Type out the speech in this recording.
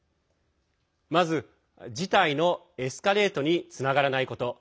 まず、事態のエスカレートにつながらないこと。